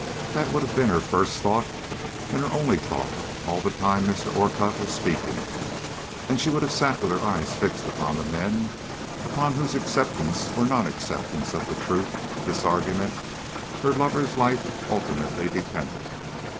That would have been her first thought and her only thought all the time Mr. Orcutt was speaking, and she would have sat with her eyes fixed upon the men upon whose acceptance or non acceptance of the truth of this argument her lover's life ultimately depended.